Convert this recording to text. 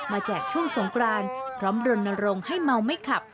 มาแจกช่วงสงกรานพร้อมรนด์นรงให้เมาไม่ขับ